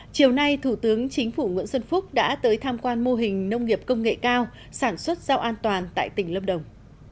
chiều nay thủ tướng chính phủ nguyễn xuân phúc đã tới tham quan mô hình nông nghiệp công nghệ cao sản xuất rau an toàn tại tỉnh lâm đồng